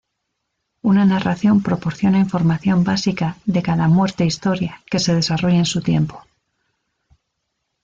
Una narración proporciona información básica de cada muerte-historia que se desarrolla en su tiempo.